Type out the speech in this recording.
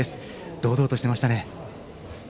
堂々としていましたね。